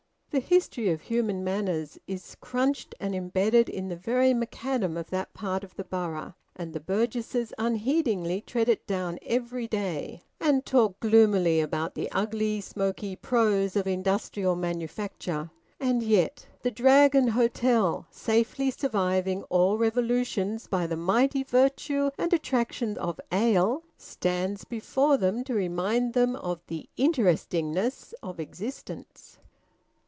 The history of human manners is crunched and embedded in the very macadam of that part of the borough, and the burgesses unheedingly tread it down every day and talk gloomily about the ugly smoky prose of industrial manufacture. And yet the Dragon Hotel, safely surviving all revolutions by the mighty virtue and attraction of ale, stands before them to remind them of the interestingness of existence.